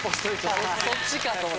「そっちか」と思った。